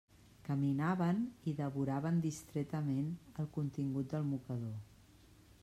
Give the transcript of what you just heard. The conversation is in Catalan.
Caminaven i devoraven distretament el contingut del mocador.